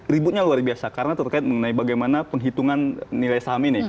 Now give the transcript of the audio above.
ributnya luar biasa karena terkait mengenai bagaimana penghitungan nilai saham ini